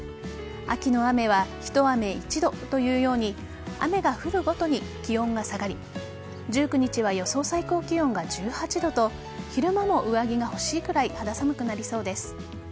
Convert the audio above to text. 秋の雨は一雨一度と言うように雨が降るごとに気温が下がり１９日は予想最高気温が１８度と昼間も上着が欲しいくらい肌寒くなりそうです。